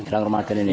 jelang ramadan ini